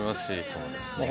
そうですね。